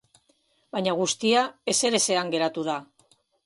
Baina guztia ezerezean geratu da.